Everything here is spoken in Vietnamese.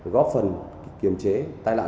góp phần kiểm trế tai lạc